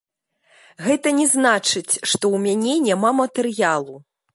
Гэта не значыць, што ў мяне няма матэрыялу.